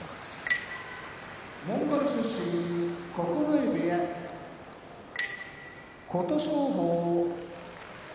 馬モンゴル出身九重部屋琴勝峰